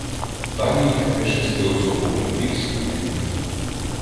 Далі їхати шестиособовий "Пірс” не міг.